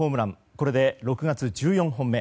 これで６月１４本目。